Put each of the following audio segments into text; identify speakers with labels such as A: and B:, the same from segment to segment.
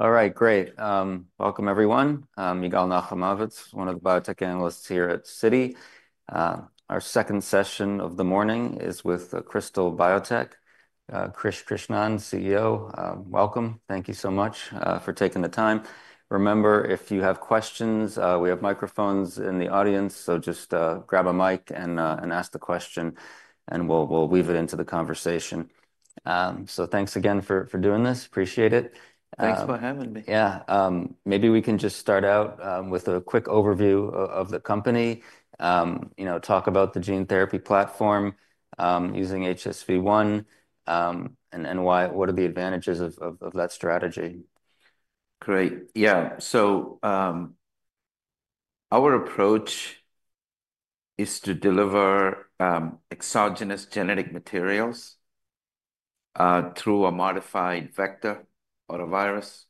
A: All right, great. Welcome, everyone. Yigal Nochomovitz, one of the biotech analysts here at Citi. Our second session of the morning is with Krystal Biotech, Krish Krishnan, CEO. Welcome. Thank you so much for taking the time. Remember, if you have questions, we have microphones in the audience, so just grab a mic and ask the question, and we'll weave it into the conversation. So thanks again for doing this. Appreciate it.
B: Thanks for having me.
A: Yeah. Maybe we can just start out with a quick overview of the company, you know, talk about the gene therapy platform using HSV-1, and what are the advantages of that strategy?
B: Great. Yeah. So our approach is to deliver exogenous genetic materials through a modified vector or a virus.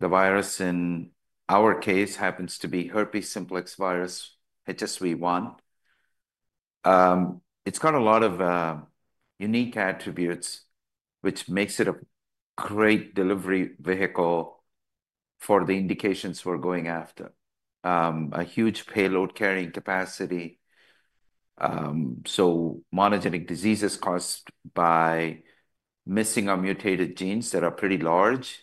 B: The virus, in our case, happens to be herpes simplex virus HSV-1. It's got a lot of unique attributes, which makes it a great delivery vehicle for the indications we're going after: a huge payload carrying capacity. So monogenic diseases caused by missing or mutated genes that are pretty large.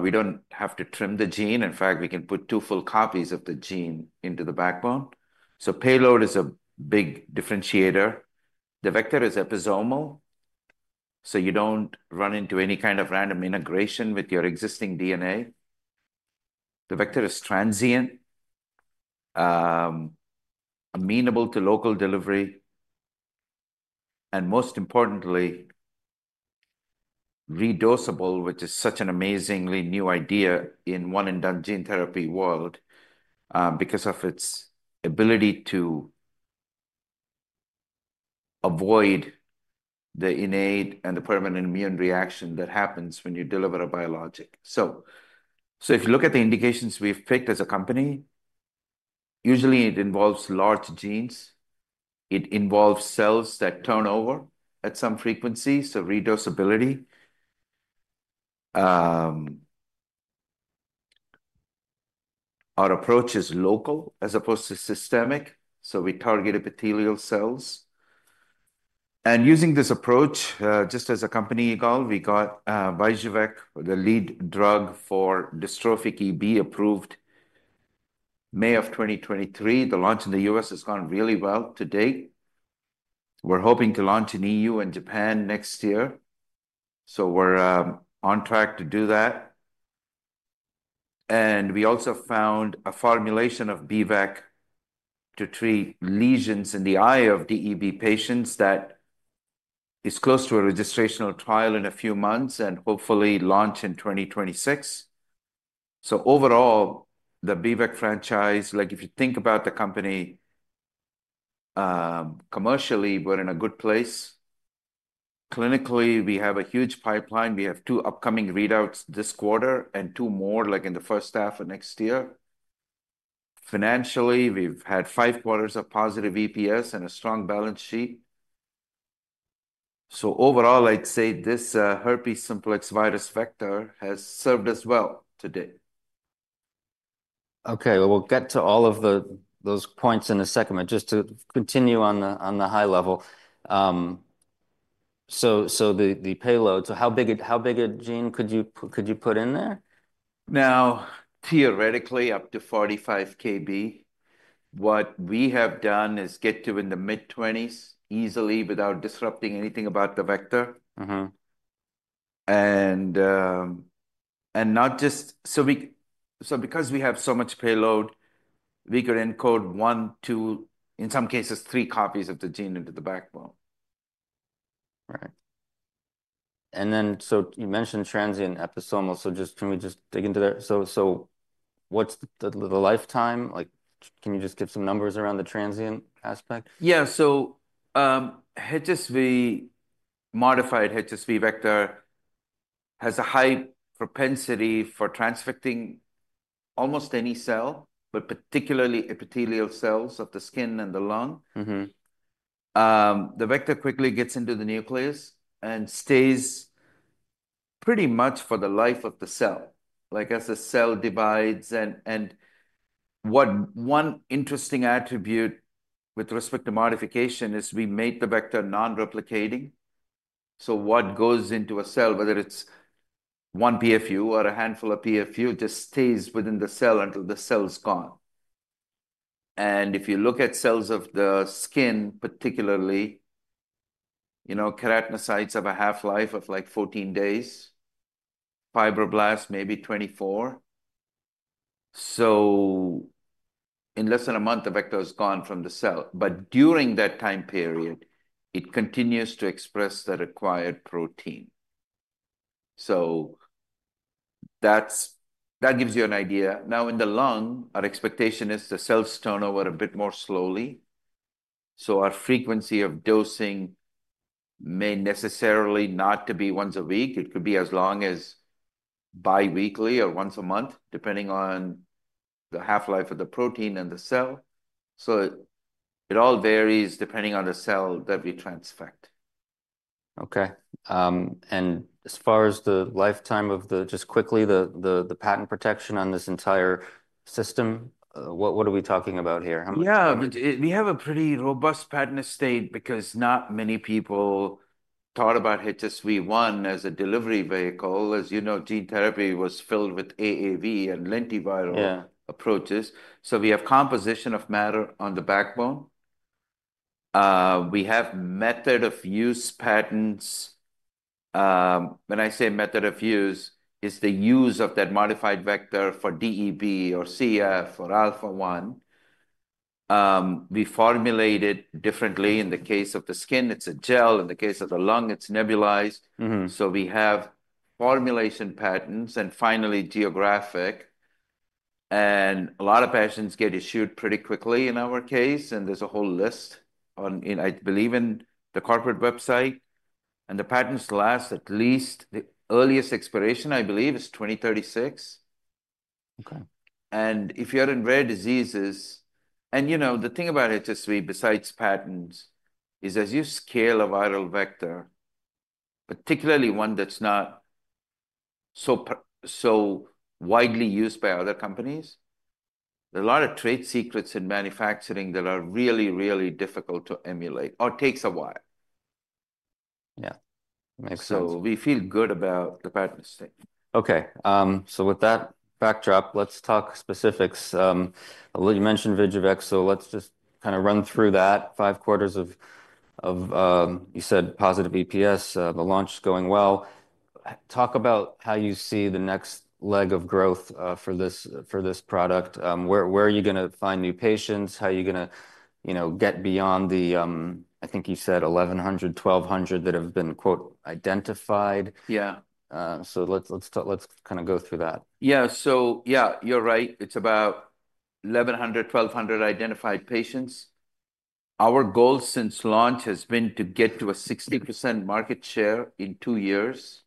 B: We don't have to trim the gene. In fact, we can put two full copies of the gene into the backbone. So payload is a big differentiator. The vector is episomal, so you don't run into any kind of random integration with your existing DNA. The vector is transient, amenable to local delivery, and most importantly, re-dosable, which is such an amazingly new idea in one-and-done gene therapy world because of its ability to avoid the innate and the permanent immune reaction that happens when you deliver a biologic. So if you look at the indications we've picked as a company, usually it involves large genes. It involves cells that turn over at some frequency, so re-dosability. Our approach is local as opposed to systemic, so we target epithelial cells. Using this approach, just as a company, we got Vyjuvek, the lead drug for dystrophic EB, approved May of 2023. The launch in the U.S. has gone really well to date. We're hoping to launch in the E.U. and Japan next year. So we're on track to do that. And we also found a formulation of B-VEC to treat lesions in the eye of DEB patients that is close to a registration or trial in a few months and hopefully launch in 2026. So overall, the B-VEC franchise, like if you think about the company commercially, we're in a good place. Clinically, we have a huge pipeline. We have two upcoming readouts this quarter and two more, like in the first half of next year. Financially, we've had five quarters of positive EPS and a strong balance sheet. So overall, I'd say this herpes simplex virus vector has served us well to date.
A: Okay. We'll get to all of those points in a second, but just to continue on the high level. So the payload, so how big a gene could you put in there?
B: Now, theoretically, up to 45 kB. What we have done is get to in the mid-20s easily without disrupting anything about the vector. And not just so because we have so much payload, we could encode one, two, in some cases, three copies of the gene into the backbone.
A: Right. And then so you mentioned transient episomal. So can we just dig into that? So what's the lifetime? Can you just give some numbers around the transient aspect?
B: Yeah. So the modified HSV vector has a high propensity for transfecting almost any cell, but particularly epithelial cells of the skin and the lung. The vector quickly gets into the nucleus and stays pretty much for the life of the cell, like as the cell divides. And one interesting attribute with respect to modification is we made the vector non-replicating. So what goes into a cell, whether it's one PFU or a handful of PFU, just stays within the cell until the cell's gone. And if you look at cells of the skin, particularly, you know, keratinocytes have a half-life of like 14 days. Fibroblasts, maybe 24. So in less than a month, the vector has gone from the cell. But during that time period, it continues to express the required protein. So that gives you an idea. Now, in the lung, our expectation is the cells turn over a bit more slowly. So our frequency of dosing may necessarily not be once a week. It could be as long as biweekly or once a month, depending on the half-life of the protein and the cell. So it all varies depending on the cell that we transfect.
A: Okay, and as far as the lifetime of the patent protection on this entire system, what are we talking about here?
B: Yeah. We have a pretty robust patent estate because not many people thought about HSV-1 as a delivery vehicle. As you know, gene therapy was filled with AAV and lentiviral approaches. So we have composition of matter on the backbone. We have method of use patents. When I say method of use, it's the use of that modified vector for DEB or CF or alpha-1. We formulate it differently. In the case of the skin, it's a gel. In the case of the lung, it's nebulized. So we have formulation patents. And finally, geographic. And a lot of patents get issued pretty quickly in our case. And there's a whole list on, I believe, in the corporate website. And the patents last at least the earliest expiration, I believe, is 2036. If you're in rare diseases and, you know, the thing about HSV, besides patents, is as you scale a viral vector, particularly one that's not so widely used by other companies, there are a lot of trade secrets in manufacturing that are really, really difficult to emulate or take a while.
A: Yeah. Makes sense.
B: So we feel good about the patent estate.
A: Okay. So with that backdrop, let's talk specifics. You mentioned Vyjuvek, so let's just kind of run through that. Five quarters of you said positive EPS, the launch is going well. Talk about how you see the next leg of growth for this product. Where are you going to find new patients? How are you going to get beyond the, I think you said 1,100, 1,200 that have been "identified"?
B: Yeah.
A: So let's kind of go through that.
B: Yeah. So yeah, you're right. It's about 1,100-1,200 identified patients. Our goal since launch has been to get to a 60% market share in two years.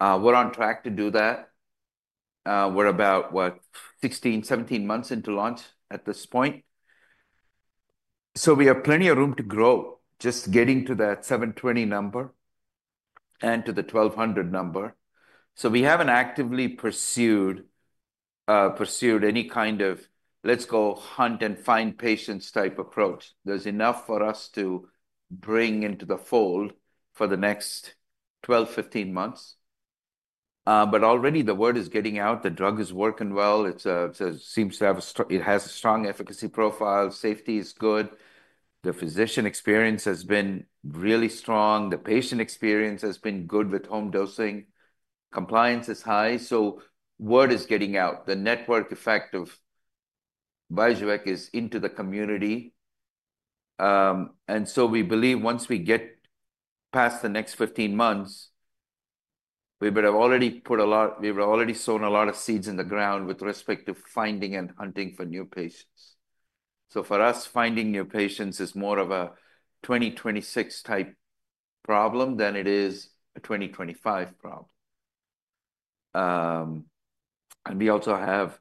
B: We're on track to do that. We're about, what, 16-17 months into launch at this point. So we have plenty of room to grow, just getting to that 720 number and to the 1,200 number. So we haven't actively pursued any kind of, let's go hunt and find patients type approach. There's enough for us to bring into the fold for the next 12-15 months. But already the word is getting out. The drug is working well. It seems to have a strong efficacy profile. Safety is good. The physician experience has been really strong. The patient experience has been good with home dosing. Compliance is high. So word is getting out. The network effect of Vyjuvek is into the community. We believe once we get past the next 15 months, we would have already sown a lot of seeds in the ground with respect to finding and hunting for new patients. For us, finding new patients is more of a 2026 type problem than it is a 2025 problem. We also have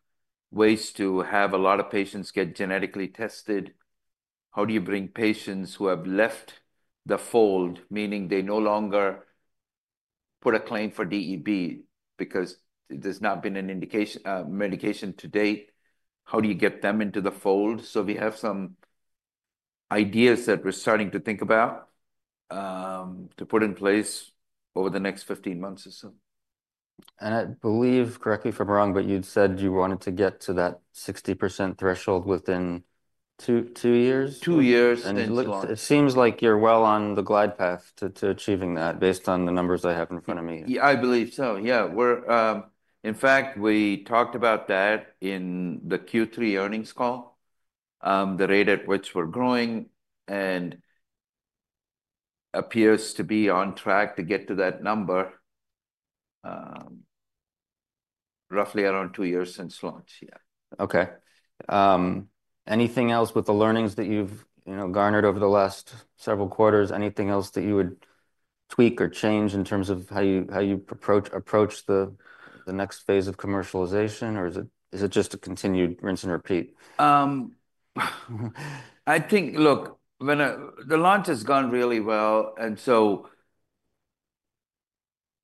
B: ways to have a lot of patients get genetically tested. How do you bring patients who have left the fold, meaning they no longer put a claim for DEB because there's not been an indication medication to date? How do you get them into the fold? We have some ideas that we're starting to think about to put in place over the next 15 months or so.
A: I believe, correct me if I'm wrong, but you'd said you wanted to get to that 60% threshold within two years?
B: Two years.
A: It seems like you're well on the glide path to achieving that based on the numbers I have in front of me.
B: I believe so. Yeah. In fact, we talked about that in the Q3 earnings call, the rate at which we're growing, and appears to be on track to get to that number roughly around two years since launch. Yeah.
A: Okay. Anything else with the learnings that you've garnered over the last several quarters? Anything else that you would tweak or change in terms of how you approach the next phase of commercialization, or is it just a continued rinse and repeat?
B: I think, look, the launch has gone really well. And so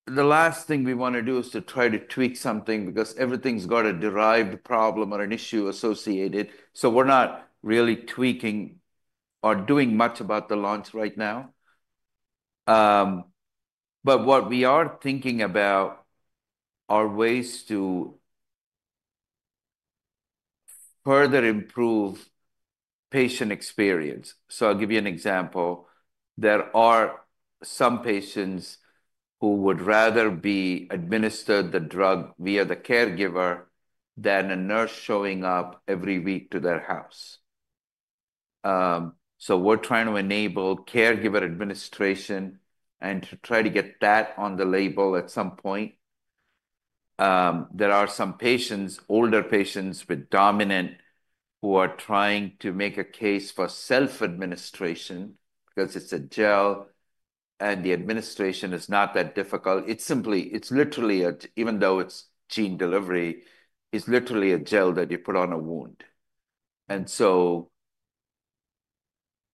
B: the last thing we want to do is to try to tweak something because everything's got a derived problem or an issue associated. So we're not really tweaking or doing much about the launch right now. But what we are thinking about are ways to further improve patient experience. So I'll give you an example. There are some patients who would rather be administered the drug via the caregiver than a nurse showing up every week to their house. So we're trying to enable caregiver administration and to try to get that on the label at some point. There are some patients, older patients with dominant, who are trying to make a case for self-administration because it's a gel, and the administration is not that difficult. It's literally, even though it's gene delivery, it's literally a gel that you put on a wound. And so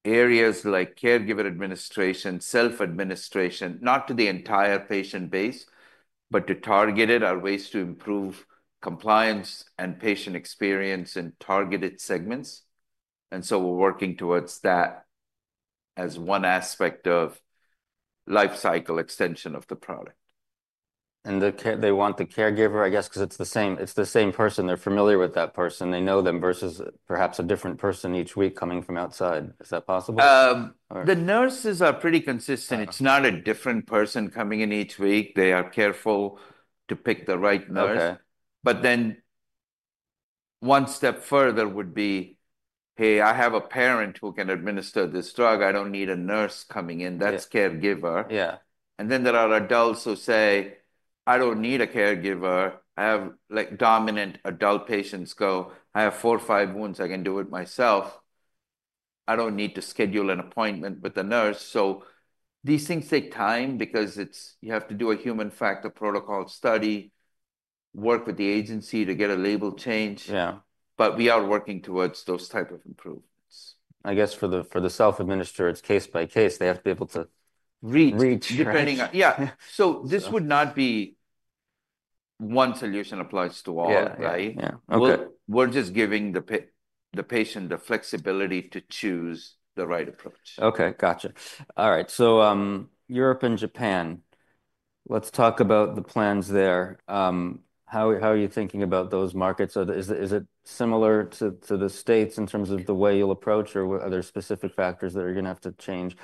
B: areas like caregiver administration, self-administration, not to the entire patient base, but to target it are ways to improve compliance and patient experience in targeted segments. And so we're working towards that as one aspect of lifecycle extension of the product.
A: They want the caregiver, I guess, because it's the same person. They're familiar with that person. They know them versus perhaps a different person each week coming from outside. Is that possible?
B: The nurses are pretty consistent. It's not a different person coming in each week. They are careful to pick the right nurse. But then one step further would be, hey, I have a parent who can administer this drug. I don't need a nurse coming in. That's caregiver. Yeah. And then there are adults who say, I don't need a caregiver. I have autonomous adult patients go, I have four or five wounds. I can do it myself. I don't need to schedule an appointment with a nurse. So these things take time because you have to do a human factors protocol study, work with the agency to get a label change. Yeah. But we are working towards those type of improvements.
A: I guess for the self-administer, it's case by case. They have to be able to.
B: Reach.
A: Reach.
B: Depending on, yeah. So this would not be one solution applies to all, right?
A: Yeah.
B: We're just giving the patient the flexibility to choose the right approach.
A: Okay. Gotcha. All right. So Europe and Japan, let's talk about the plans there. How are you thinking about those markets? Is it similar to the States in terms of the way you'll approach, or are there specific factors that are going to have to change?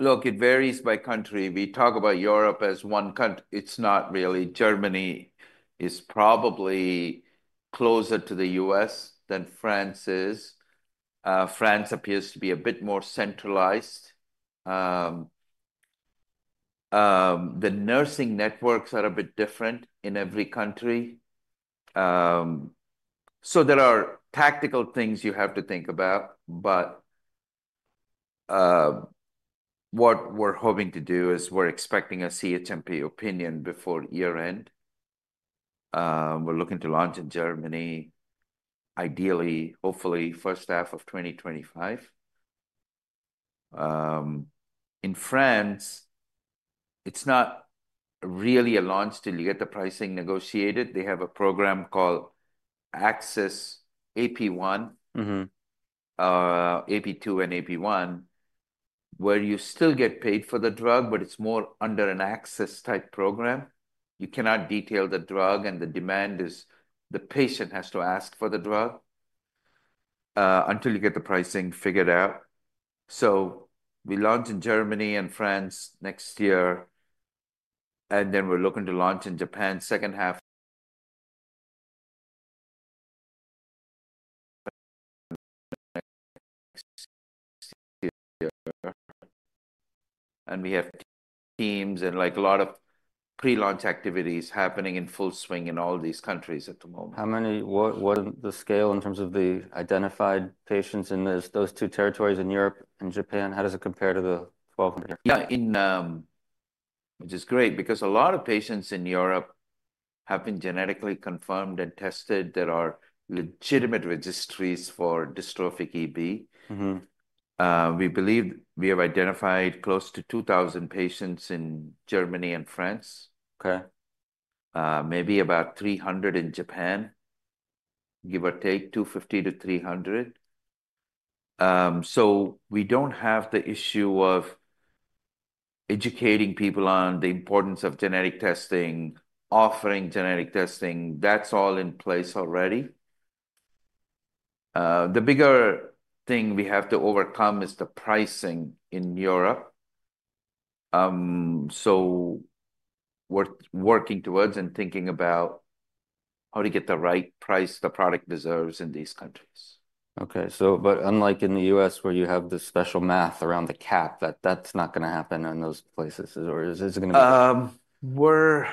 B: Look, it varies by country. We talk about Europe as one country. It's not really. Germany is probably closer to the US than France is. France appears to be a bit more centralized. The nursing networks are a bit different in every country. So there are tactical things you have to think about. But what we're hoping to do is we're expecting a CHMP opinion before year-end. We're looking to launch in Germany, ideally, hopefully, first half of 2025. In France, it's not really a launch till you get the pricing negotiated. They have a program called accès AP1, AP2, and AP1, where you still get paid for the drug, but it's more under an accès type program. You cannot detail the drug, and the demand is the patient has to ask for the drug until you get the pricing figured out. We launch in Germany and France next year, then we're looking to launch in Japan second half. We have teams and like a lot of pre-launch activities happening in full swing in all these countries at the moment.
A: How many? What's the scale in terms of the identified patients in those two territories in Europe and Japan? How does it compare to the 1,200?
B: Yeah. Which is great because a lot of patients in Europe have been genetically confirmed and tested that are legitimate registries for dystrophic EB. We believe we have identified close to 2,000 patients in Germany and France. Maybe about 300 in Japan, give or take 250-300. So we don't have the issue of educating people on the importance of genetic testing, offering genetic testing. That's all in place already. The bigger thing we have to overcome is the pricing in Europe. So we're working towards and thinking about how to get the right price the product deserves in these countries.
A: Okay, but unlike in the U.S., where you have the special math around the cap, that's not going to happen in those places, or is it going to be?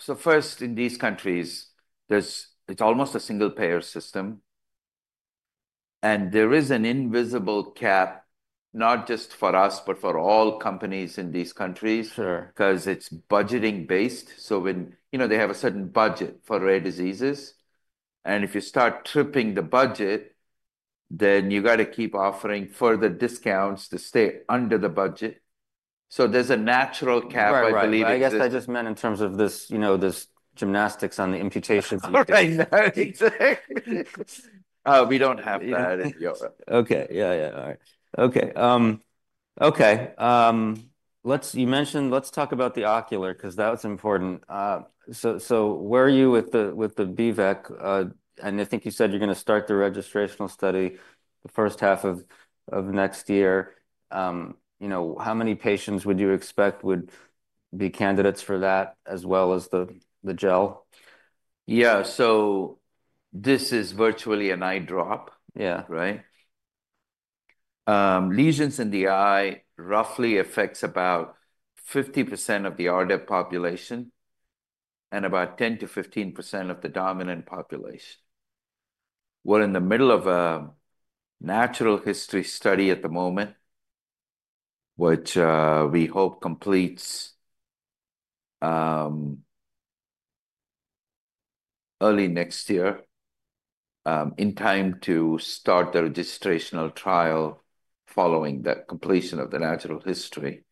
B: So first, in these countries, it's almost a single-payer system. And there is an invisible cap, not just for us, but for all companies in these countries because it's budgeting-based. So they have a certain budget for rare diseases. And if you start tripping the budget, then you got to keep offering further discounts to stay under the budget. So there's a natural cap, I believe.
A: I guess I just meant in terms of this gymnastics on the imputations.
B: Oh, right. No, exactly. We don't have that in Europe.
A: You mentioned, let's talk about the ocular because that's important. So where are you with the B-VEC? And I think you said you're going to start the registrational study the first half of next year. How many patients would you expect would be candidates for that as well as the gel?
B: Yeah. So this is virtually an eye drop, right? Lesions in the eye roughly affects about 50% of the RDEB population and about 10%-15% of the dominant population. We're in the middle of a natural history study at the moment, which we hope completes early next year in time to start the registrational trial following the completion of the natural history.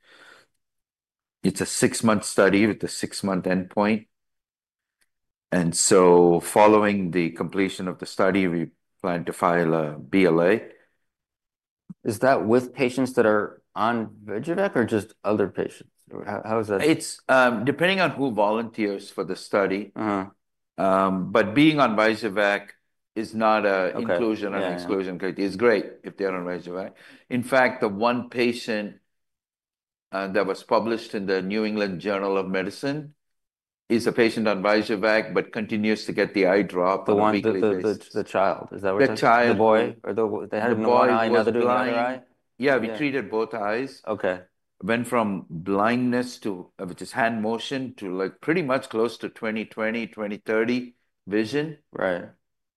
B: It's a six-month study with a six-month endpoint. And so following the completion of the study, we plan to file a BLA.
A: Is that with patients that are on Vyjuvek or just other patients? How is that?
B: It's depending on who volunteers for the study. But being on Vyjuvek is not an inclusion or exclusion criteria. It's great if they're on Vyjuvek. In fact, the one patient that was published in the New England Journal of Medicine is a patient on Vyjuvek but continues to get the eye drop weekly.
A: The child. Is that what you're saying?
B: The child.
A: The boy? They had him in the blind eye in other eyes.
B: Yeah. We treated both eyes. Went from blindness to, which is hand motion, to pretty much close to 20/20, 20/30 vision.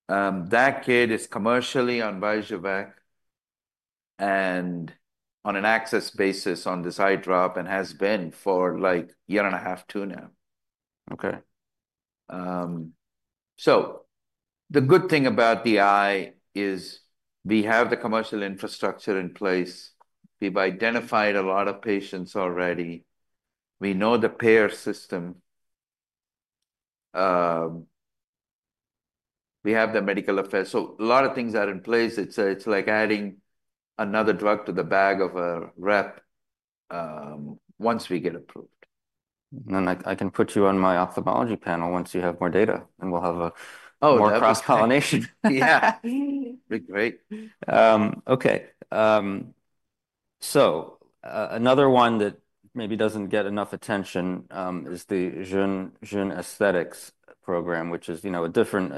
B: That kid is commercially on Vyjuvek and on an ACCESS basis on this eye drop and has been for like a year and a half, two now.
A: Okay.
B: So the good thing about the eye is we have the commercial infrastructure in place. We've identified a lot of patients already. We know the payer system. We have the medical affairs. So a lot of things are in place. It's like adding another drug to the bag of a rep once we get approved.
A: I can put you on my ophthalmology panel once you have more data, and we'll have a more cross-pollination.
B: Yeah.
A: Great. Okay. So another one that maybe doesn't get enough attention is the Jeune Aesthetics program, which is a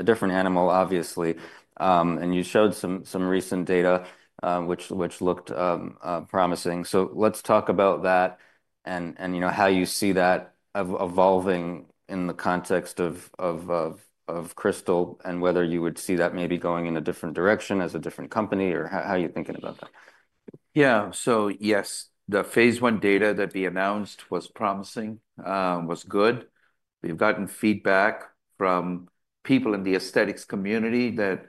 A: different animal, obviously. And you showed some recent data which looked promising. So let's talk about that and how you see that evolving in the context of Krystal and whether you would see that maybe going in a different direction as a different company or how are you thinking about that?
B: Yeah. So yes, the phase one data that we announced was promising, was good. We've gotten feedback from people in the aesthetics community that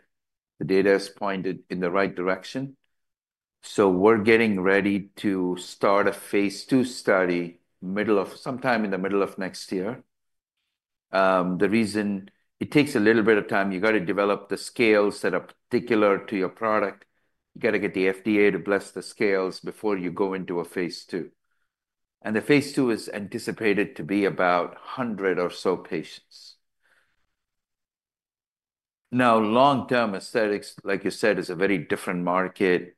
B: the data is pointed in the right direction. So we're getting ready to start a phase two study sometime in the middle of next year. The reason it takes a little bit of time, you got to develop the scales that are particular to your product. You got to get the FDA to bless the scales before you go into a phase two. And the phase two is anticipated to be about 100 or so patients. Now, long-term aesthetics, like you said, is a very different market.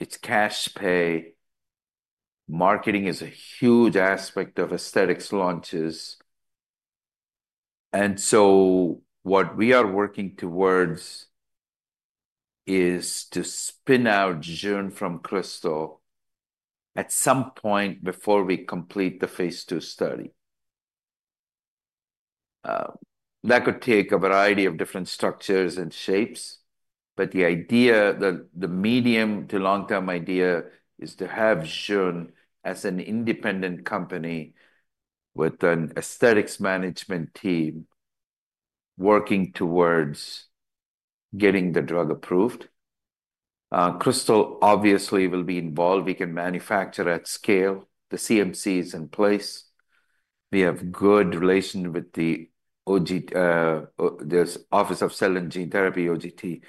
B: It's cash pay. Marketing is a huge aspect of aesthetics launches. And so what we are working towards is to spin out Jeune from Krystal at some point before we complete the phase two study. That could take a variety of different structures and shapes. But the idea, the medium to long-term idea, is to have Jeune as an independent company with an aesthetics management team working towards getting the drug approved. Krystal obviously will be involved. We can manufacture at scale. The CMC is in place. We have good relation with the OGT. There's Office of Cell and Gene Therapy, OGT,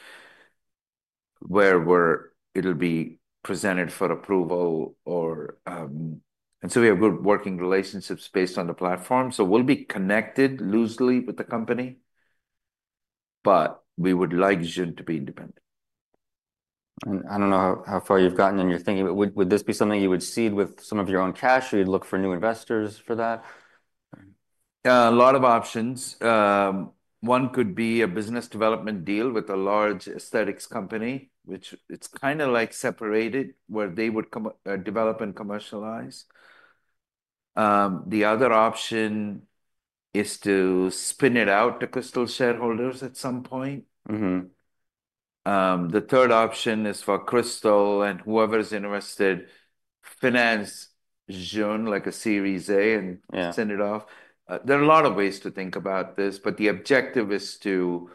B: where it'll be presented for approval. And so we have good working relationships based on the platform. So we'll be connected loosely with the company. But we would like Jeune to be independent.
A: I don't know how far you've gotten in your thinking, but would this be something you would seed with some of your own cash, or you'd look for new investors for that?
B: A lot of options. One could be a business development deal with a large aesthetics company, which it's kind of like separated where they would develop and commercialize. The other option is to spin it out to Krystal shareholders at some point. The third option is for Krystal and whoever's interested to finance Jeune like a Series A and send it off. There are a lot of ways to think about this, but the objective is to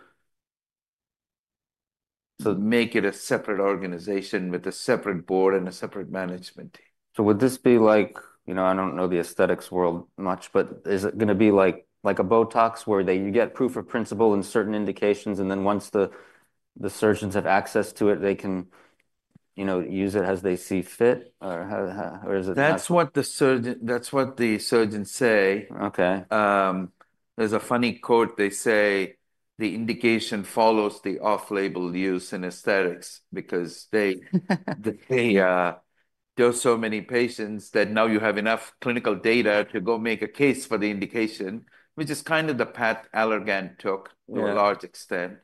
B: make it a separate organization with a separate board and a separate management team.
A: So would this be like, I don't know the aesthetics world much, but is it going to be like a Botox where you get proof of principle in certain indications, and then once the surgeons have access to it, they can use it as they see fit? Or how is it?
B: That's what the surgeons say. There's a funny quote. They say the indication follows the off-label use in aesthetics because they show so many patients that now you have enough clinical data to go make a case for the indication, which is kind of the path Allergan took to a large extent.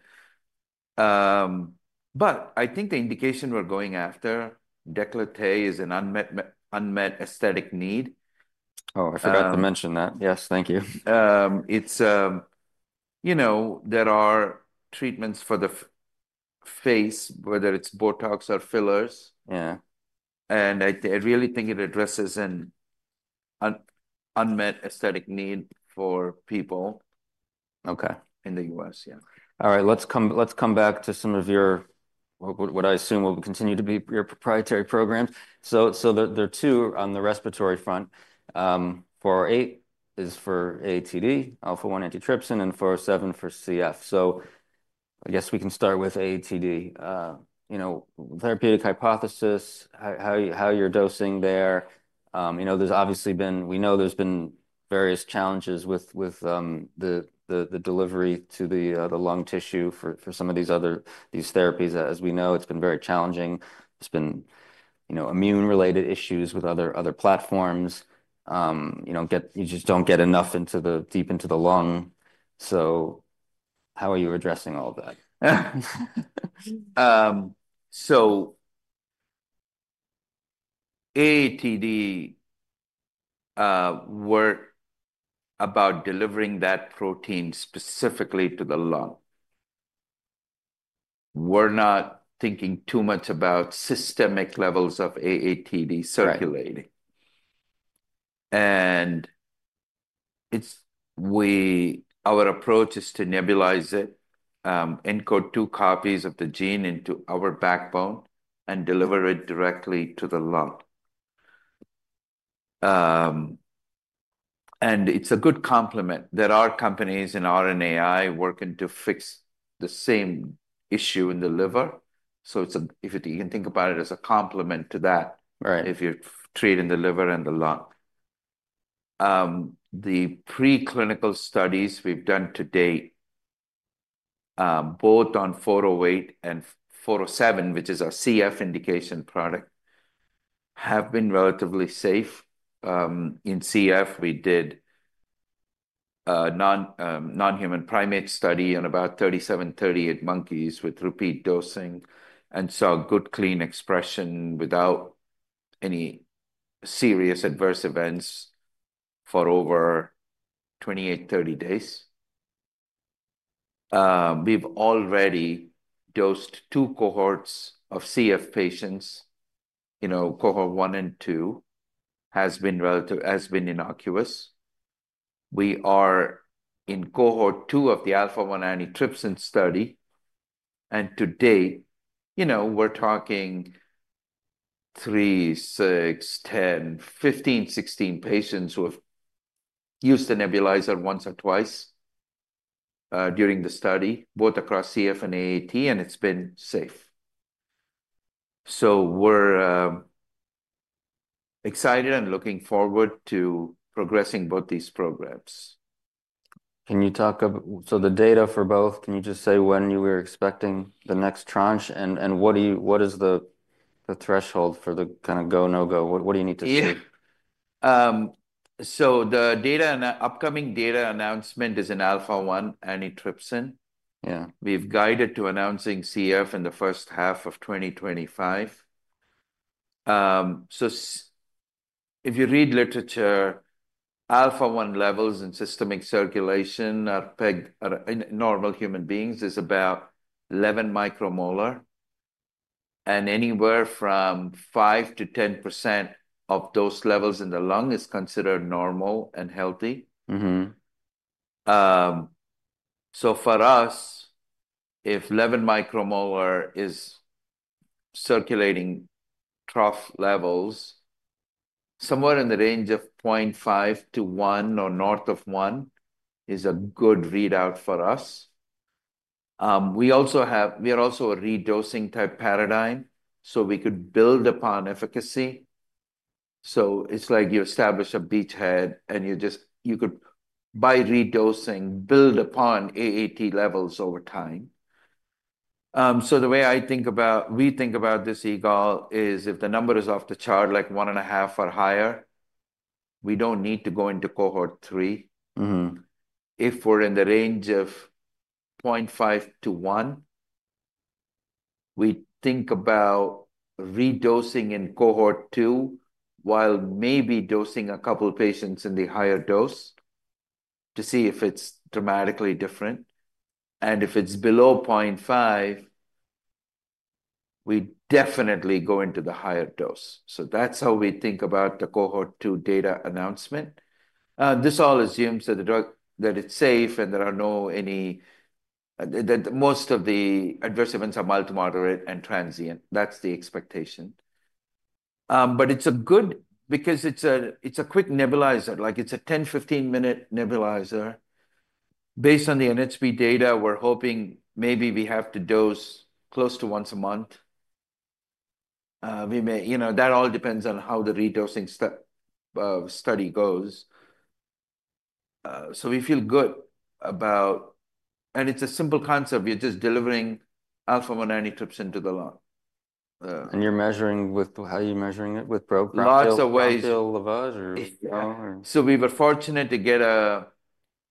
B: But I think the indication we're going after, décolleté, is an unmet aesthetic need.
A: Oh, I forgot to mention that. Yes, thank you.
B: There are treatments for the face, whether it's Botox or fillers. And I really think it addresses an unmet aesthetic need for people in the U.S. Yeah.
A: All right. Let's come back to some of your what I assume will continue to be your proprietary programs. So there are two on the respiratory front. 408 is for AATD, Alpha-1 antitrypsin, and 407 for CF. So I guess we can start with AATD. Therapeutic hypothesis, how you're dosing there. There's obviously been, we know, various challenges with the delivery to the lung tissue for some of these therapies. As we know, it's been very challenging. There's been immune-related issues with other platforms. You just don't get enough deep into the lung. So how are you addressing all that?
B: So AATD work about delivering that protein specifically to the lung. We're not thinking too much about systemic levels of AATD circulating. And our approach is to nebulize it, encode two copies of the gene into our backbone, and deliver it directly to the lung. And it's a good complement. There are companies in RNAi working to fix the same issue in the liver. So if you can think about it as a complement to that, if you're treating the liver and the lung. The preclinical studies we've done to date, both on 408 and 407, which is our CF indication product, have been relatively safe. In CF, we did a non-human primate study on about 37-38 monkeys with repeat dosing and saw good clean expression without any serious adverse events for over 28-30 days. We've already dosed two cohorts of CF patients. Cohort 1 and 2 has been innocuous. We are in cohort 2 of the alpha-1 antitrypsin study. And today, we're talking three, six, 10, 15, 16 patients who have used the nebulizer once or twice during the study, both across CF and AAT, and it's been safe. So we're excited and looking forward to progressing both these programs.
A: Can you talk to the data for both? Can you just say when you were expecting the next tranche and what is the threshold for the kind of go, no go? What do you need to see?
B: The upcoming data announcement is an alpha-1 antitrypsin. We've guided to announcing CF in the first half of 2025. If you read literature, alpha-1 levels in systemic circulation are normal human beings is about 11 micromolar. And anywhere from 5% to 10% of those levels in the lung is considered normal and healthy. For us, if 11 micromolar is circulating trough levels, somewhere in the range of 0.5-1 or north of 1 is a good readout for us. We are also a redosing type paradigm, so we could build upon efficacy. It's like you establish a beachhead and you could, by redosing, build upon AAT levels over time. So the way we think about this eagle is if the number is off the chart, like one and a half or higher, we don't need to go into cohort 3. If we're in the range of 0.5 to 1, we think about redosing in cohort 2 while maybe dosing a couple of patients in the higher dose to see if it's dramatically different. And if it's below 0.5, we definitely go into the higher dose. So that's how we think about the cohort 2 data announcement. This all assumes that it's safe and that most of the adverse events are mild to moderate and transient. That's the expectation. But it's good because it's a quick nebulizer. It's a 10- or 15-minute nebulizer. Based on the NHP data, we're hoping maybe we have to dose close to once a month. That all depends on how the redosing study goes. So we feel good about and it's a simple concept. You're just delivering alpha-1 antitrypsin to the lung.
A: How are you measuring it with bronchoscopy?
B: Lots of ways.
A: Low level or?
B: So, we were fortunate to get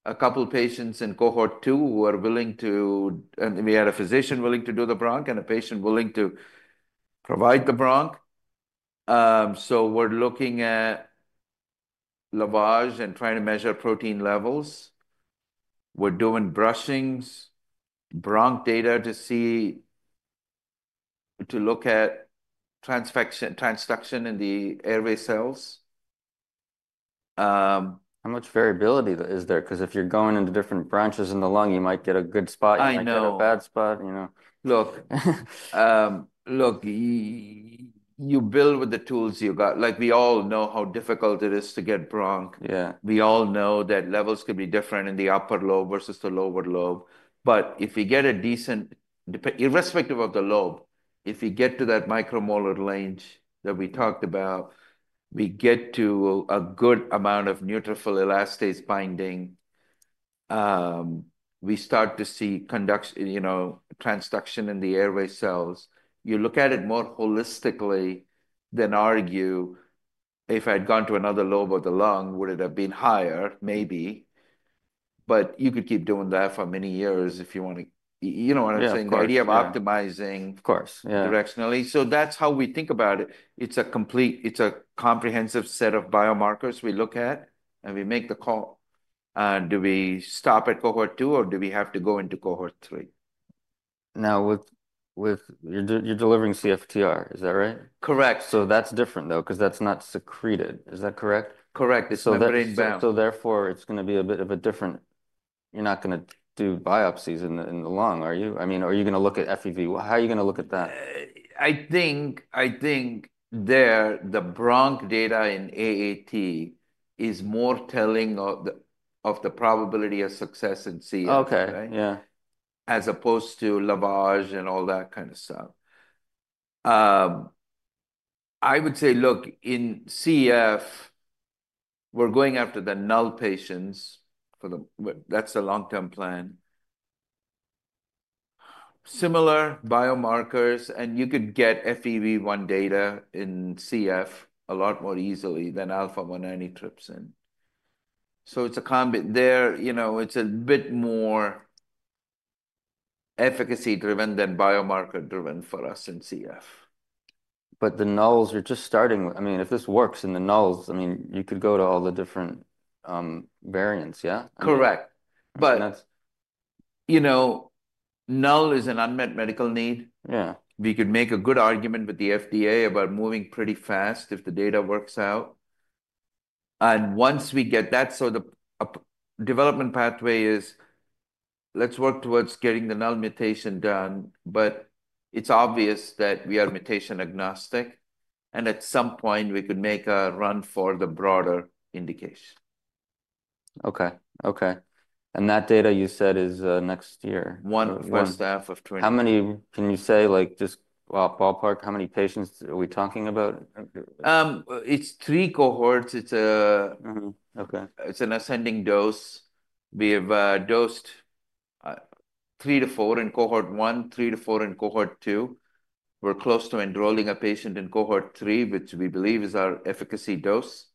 B: a couple of patients in cohort two who are willing to and we had a physician willing to do the bronchoscopy and a patient willing to provide the bronchoscopy. So, we're looking at lavage and trying to measure protein levels. We're doing brushings, bronchoscopy data to look at transduction in the airway cells.
A: How much variability is there? Because if you're going into different branches in the lung, you might get a good spot. You might get a bad spot.
B: Look, you build with the tools you got. We all know how difficult it is to get bronchoscopy. We all know that levels could be different in the upper lobe versus the lower lobe. But if you get a decent, irrespective of the lobe, if you get to that micromolar range that we talked about, we get to a good amount of neutrophil elastase binding. We start to see transduction in the airway cells. You look at it more holistically than argue, if I had gone to another lobe of the lung, would it have been higher? Maybe. But you could keep doing that for many years if you want to. You know what I'm saying? The idea of optimizing directionally. So that's how we think about it. It's a comprehensive set of biomarkers we look at, and we make the call. Do we stop at cohort 2, or do we have to go into cohort 3?
A: Now, you're delivering CFTR, is that right?
B: Correct.
A: So that's different, though, because that's not secreted. Is that correct?
B: Correct.
A: So therefore, it's going to be a bit of a different. You're not going to do biopsies in the lung, are you? I mean, are you going to look at FEV1? How are you going to look at that?
B: I think the bronchoscopy data in AAT is more telling of the probability of success in CF, as opposed to lavage and all that kind of stuff. I would say, look, in CF, we're going after the null patients. That's the long-term plan. Similar biomarkers, and you could get FEV1 data in CF a lot more easily than alpha-1 antitrypsin. So it's a combination. It's a bit more efficacy-driven than biomarker-driven for us in CF.
A: But the nulls, you're just starting. I mean, if this works in the nulls, I mean, you could go to all the different variants, yeah?
B: Correct. But null is an unmet medical need. We could make a good argument with the FDA about moving pretty fast if the data works out. And once we get that, so the development pathway is let's work towards getting the null mutation done. But it's obvious that we are mutation agnostic. And at some point, we could make a run for the broader indication.
A: Okay. Okay. And that data, you said, is next year.
B: the first half of 2024.
A: How many can you say, just ballpark, how many patients are we talking about?
B: It's three cohorts. It's an ascending dose. We have dosed three to four in cohort 1, three to four in cohort 2. We're close to enrolling a patient in cohort 3, which we believe is our efficacy dose.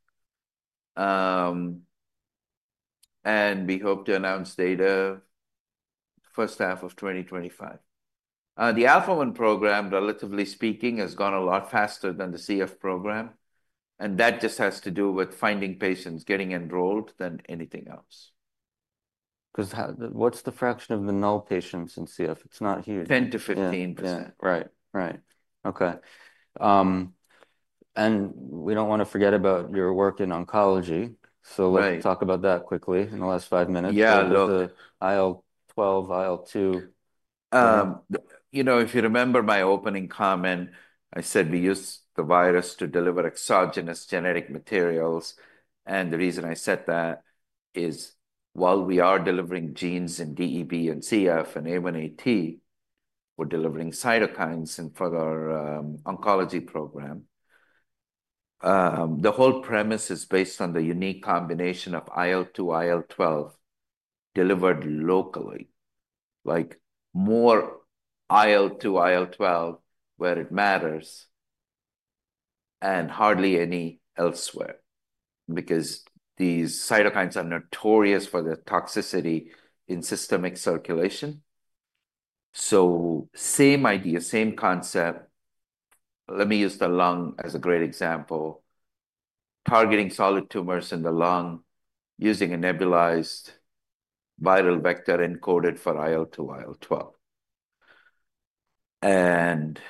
B: And we hope to announce data first half of 2025. The alpha-1 program, relatively speaking, has gone a lot faster than the CF program. And that just has to do with finding patients, getting enrolled, than anything else.
A: Because what's the fraction of the null patients in CF? It's not huge.
B: 10%-15%.
A: Right. Right. Okay, and we don't want to forget about your work in oncology, so let's talk about that quickly in the last five minutes.
B: Yeah, look.
A: IL-12, IL-2.
B: If you remember my opening comment, I said we use the virus to deliver exogenous genetic materials, and the reason I said that is while we are delivering genes in DEB and CF and A1AT, we're delivering cytokines for our oncology program. The whole premise is based on the unique combination of IL-2, IL-12 delivered locally, like more IL-2, IL-12 where it matters and hardly any elsewhere, because these cytokines are notorious for their toxicity in systemic circulation, so same idea, same concept. Let me use the lung as a great example, targeting solid tumors in the lung using a nebulized viral vector encoded for IL-2, IL-12, and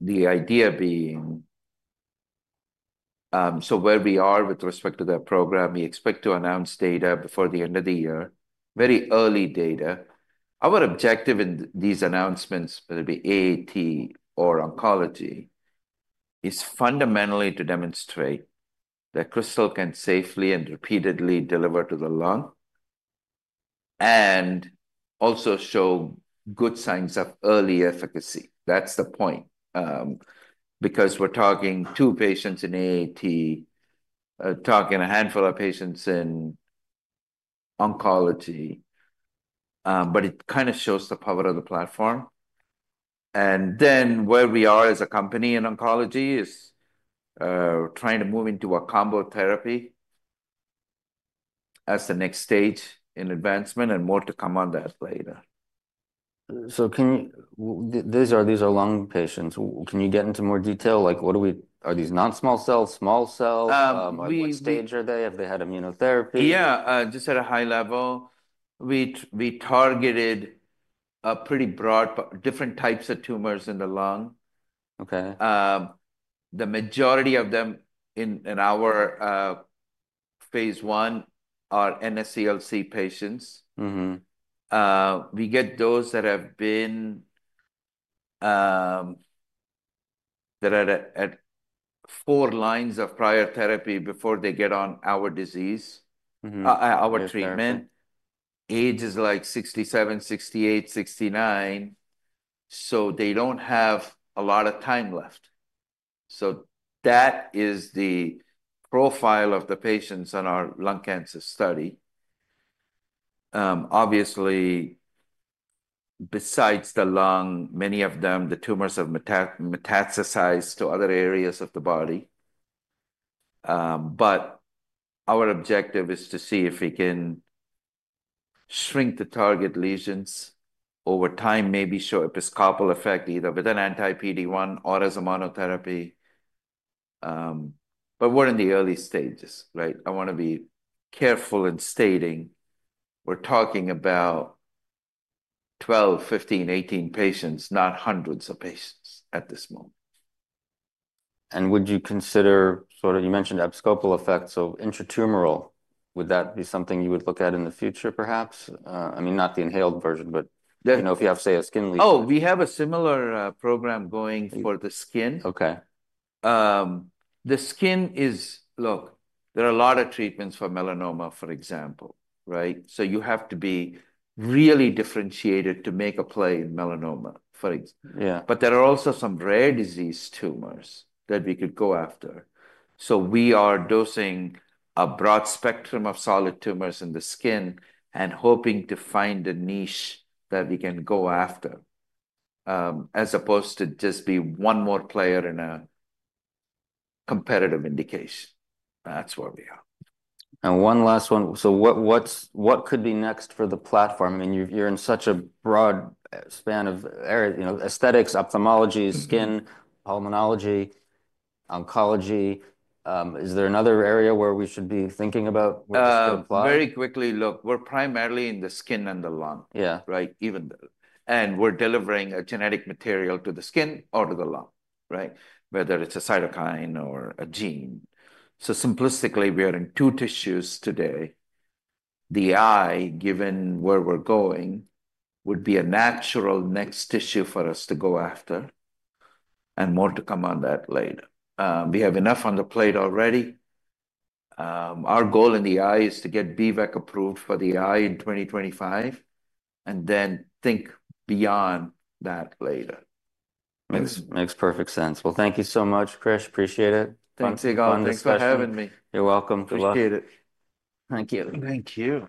B: the idea being so where we are with respect to that program, we expect to announce data before the end of the year, very early data. Our objective in these announcements, whether it be AATD or oncology, is fundamentally to demonstrate that Krystal can safely and repeatedly deliver to the lung and also show good signs of early efficacy. That's the point, because we're talking two patients in AATD, talking a handful of patients in oncology. But it kind of shows the power of the platform. And then where we are as a company in oncology is trying to move into a combo therapy as the next stage in advancement and more to come on that later.
A: So these are lung patients. Can you get into more detail? Are these non-small cell, small cell? At what stage are they? Have they had immunotherapy?
B: Yeah, just at a high level. We targeted a pretty broad different types of tumors in the lung. The majority of them in our phase 1 are NSCLC patients. We get those that are at four lines of prior therapy before they get on our disease, our treatment. Age is like 67, 68, 69. So they don't have a lot of time left. So that is the profile of the patients on our lung cancer study. Obviously, besides the lung, many of them, the tumors have metastasized to other areas of the body. But our objective is to see if we can shrink the target lesions over time, maybe show abscopal effect either with an anti-PD-1 or as a monotherapy. But we're in the early stages, right? I want to be careful in stating we're talking about 12, 15, 18 patients, not hundreds of patients at this moment.
A: Would you consider sort of, you mentioned abscopal effects, so intratumoral, would that be something you would look at in the future, perhaps? I mean, not the inhaled version, but if you have, say, a skin lesion.
B: Oh, we have a similar program going for the skin.
A: Okay.
B: The skin, look, there are a lot of treatments for melanoma, for example, right? So you have to be really differentiated to make a play in melanoma, for example. But there are also some rare disease tumors that we could go after. So we are dosing a broad spectrum of solid tumors in the skin and hoping to find a niche that we can go after, as opposed to just be one more player in a competitive indication. That's where we are.
A: And one last one. So what could be next for the platform? I mean, you're in such a broad span of aesthetics, ophthalmology, skin, pulmonology, oncology. Is there another area where we should be thinking about when this applies?
B: Very quickly, look, we're primarily in the skin and the lung, right? And we're delivering a genetic material to the skin or to the lung, right? Whether it's a cytokine or a gene, so simplistically, we are in two tissues today. The eye, given where we're going, would be a natural next tissue for us to go after, and more to come on that later. We have enough on the plate already. Our goal in the eye is to get B-VEC approved for the eye in 2025, and then think beyond that later.
A: Makes perfect sense. Well, thank you so much, Krish. Appreciate it.
B: Thanks for having me.
A: You're welcome.
B: Appreciate it.
A: Thank you.
B: Thank you.